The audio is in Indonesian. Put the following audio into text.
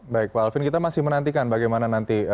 baik pak alvin kita masih menantikan bagaimana nanti